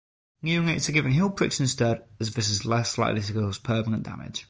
Neonates are given heelpricks instead, as this is less likely to cause permanent damage.